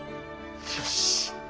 よし。